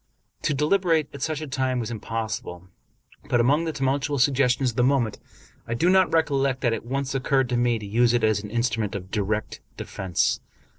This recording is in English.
To deliberate at such a time was impossible; but, among the tumultuous suggestions of the moment, I do not recollect that it once occurred to me to use it as an instrument of direct defense.